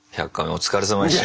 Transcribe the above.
お疲れさまでした。